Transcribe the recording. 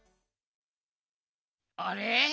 あれ？